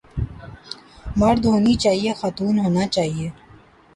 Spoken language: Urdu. مرد ہونی چاہئے خاتون ہونا چاہئے